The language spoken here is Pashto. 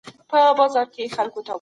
پانګوال نظام بايد عادلانه بڼه ولري.